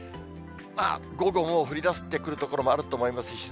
午後もう降りだしてくる所もあると思います。